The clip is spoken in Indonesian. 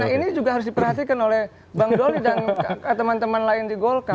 nah ini juga harus diperhatikan oleh bang doli dan teman teman lain di golkar